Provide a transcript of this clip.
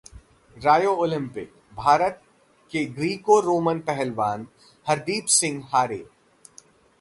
Rio Olympic: Bharat के Greco Roman पहलवान हरदीप सिंह हारे